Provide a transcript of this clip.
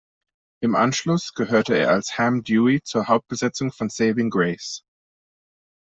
Im Anschluss gehörte er als "Ham Dewey" zur Hauptbesetzung von "Saving Grace".